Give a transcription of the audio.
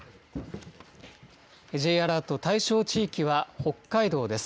Ｊアラート対象地域は北海道です。